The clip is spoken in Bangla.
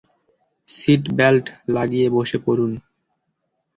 সিটব্যাল্ট লাগিয়ে বসে পড়ুন!